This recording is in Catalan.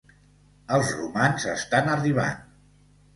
Els romans estan arribant.